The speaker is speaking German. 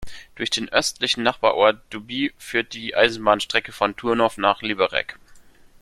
Durch den östlichen Nachbarort Doubí führt die Eisenbahnstrecke von Turnov nach Liberec.